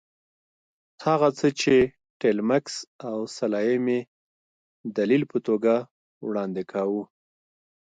هغه څه چې ټیلمکس او سلایم یې دلیل په توګه وړاندې کاوه.